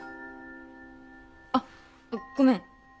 あっごめん。